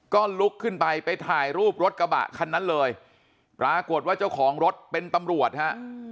ก็ลุกขึ้นไปไปถ่ายรูปรถกระบะคันนั้นเลยปรากฏว่าเจ้าของรถเป็นตำรวจฮะ